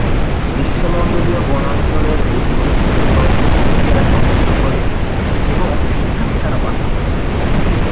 গ্রীষ্মমণ্ডলীয় বনাঞ্চলের উঁচু বৃক্ষের গর্তে থাকতে এরা পছন্দ করে এবং সেখানেই তারা বাসা বাঁধে।